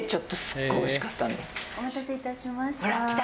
お待たせいたしました。